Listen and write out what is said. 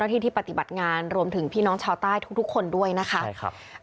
ที่ที่ปฏิบัติงานรวมถึงพี่น้องชาวใต้ทุกทุกคนด้วยนะคะใช่ครับ